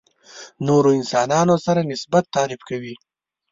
نورو انسانانو سره نسبت تعریف کوي.